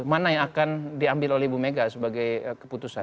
mana yang akan diambil oleh ibu mega sebagai keputusan